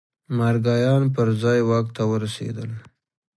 مارګایان پر ځای واک ته ورسېدل.